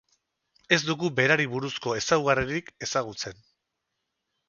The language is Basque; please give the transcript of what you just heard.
Ez dugu berari buruzko ezaugarririk ezagutzen.